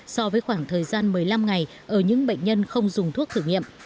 so với khoảng thời gian một mươi năm ngày ở những bệnh nhân không dùng thuốc thử nghiệm